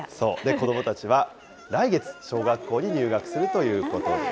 子どもたちは来月、小学校に入学するということです。